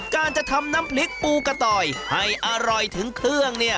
การจะทำน้ำเพล็กปูกะตอยให้อร่อยถึงเครื่อง